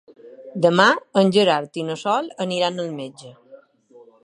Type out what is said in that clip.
Demà en Gerard i na Sol aniran al metge.